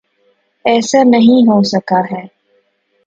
ایسا نہیں ہو سکا ہے۔